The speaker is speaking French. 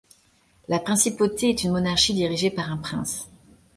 La principauté est une monarchie dirigée par un prince.